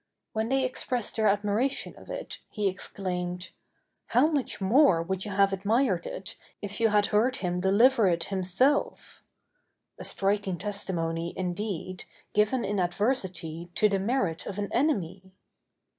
When they expressed their admiration of it, he exclaimed:—"How much more would you have admired it, if you had heard him deliver it himself;" a striking testimony, indeed, given in adversity, to the merit of an enemy!